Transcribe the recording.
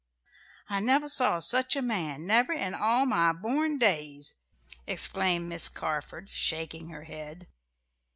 "I never saw such a man never in all my born days!" exclaimed Miss Carford, shaking her head.